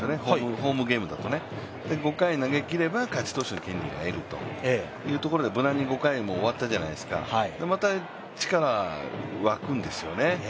ホームゲームだと、５回投げきれば勝ち投手の権利を得るということで、無難に５回終わったじゃないですかまた力が湧くんですよね。